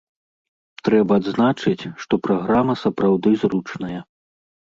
Трэба адзначыць, што праграма сапраўды зручная.